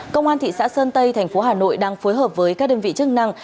công an thị xã sơn tây thành phố hà nội đang phối hợp với các đơn vị chức năng